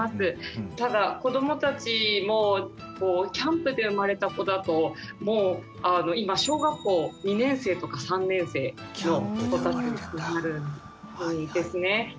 ただ子どもたちもキャンプで生まれた子だともう今小学校２年生とか３年生の子たちになるんですね。